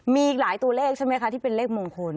มีอีกหลายตัวเลขใช่ไหมคะที่เป็นเลขมงคล